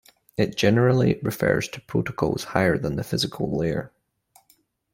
It generally refers to protocols higher than the physical layer.